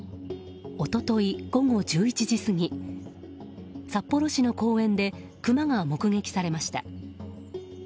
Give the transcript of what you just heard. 一昨日午後１１時過ぎ札幌市の公園でクマが目撃されました。